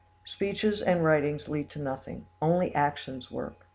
Speeches and writings lead to nothing; only actions work.